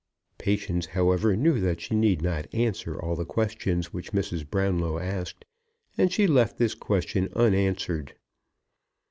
Patience, however, knew that she need not answer all the questions which Mrs. Brownlow asked, and she left this question unanswered.